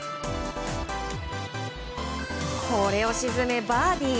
これを沈め、バーディー！